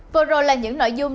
vô rồi là những nội dung